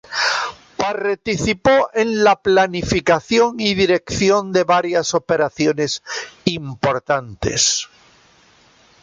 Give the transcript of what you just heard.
Participó en la planificación y dirección de varias operaciones importantes.